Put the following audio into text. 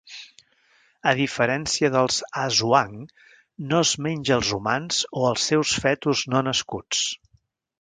A diferència dels Aswang, no es menja als humans o als seus fetus no nascuts.